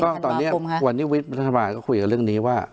ก็ตอนนี้วันนี้วิทย์รัฐบาลก็คุยกับเรื่องนี้ว่า